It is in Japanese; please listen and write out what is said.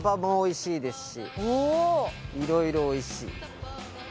繊いろいろおいしい。